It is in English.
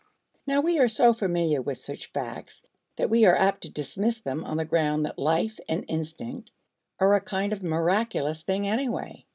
Now we are so familiar with such facts, that we are apt to dismiss them on the ground that life and instinct are a kind of miraculous thing anyway.